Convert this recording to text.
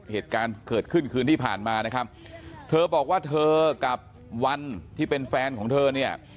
เหตุการณ์เกิดขึ้นคืนที่ผ่านมานะครับเธอบอกว่าเธอกับวันที่เป็นแฟนของเธอเนี่ย